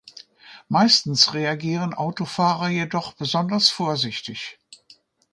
Meistens reagieren Autofahrer jedoch besonders vorsichtig.